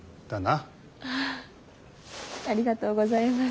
ありがとうございます。